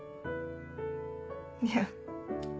いや。